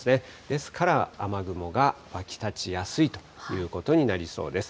ですから、雨雲が湧きたちやすいということになりそうです。